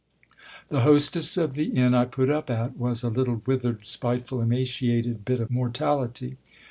The hostess of the inn I put up at was a little withered, spiteful, emaciated bit of mortality.